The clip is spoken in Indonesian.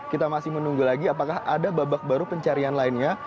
kita masih menunggu lagi apakah ada babak baru pencarian lainnya